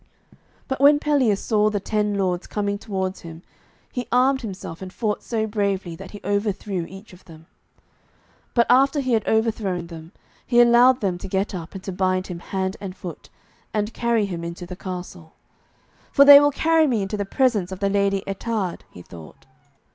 But when Pelleas saw the ten lords coming towards him, he armed himself, and fought so bravely that he overthrew each of them. But after he had overthrown them, he allowed them to get up and to bind him hand and foot, and carry him into the castle. 'For they will carry me into the presence of the Lady Ettarde,' he thought.